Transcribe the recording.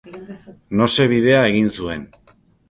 Nose bidea egin zuen.